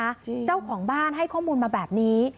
เจ้าของบ้านให้ข้อมูลมาแบบนี้